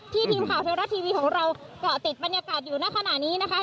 ทีมข่าวเทวรัฐทีวีของเราเกาะติดบรรยากาศอยู่ในขณะนี้นะคะ